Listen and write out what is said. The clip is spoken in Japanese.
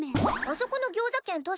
あそこの餃子券確か。